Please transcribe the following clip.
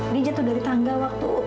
dia jatuh dari tangga waktu